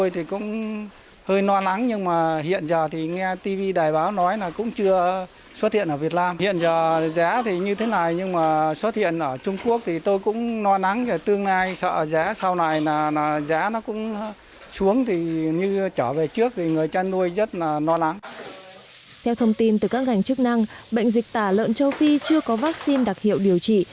theo thông tin từ các ngành chức năng bệnh dịch tả lợn châu phi chưa có vaccine đặc hiệu điều trị